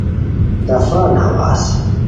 ڈفان ہواز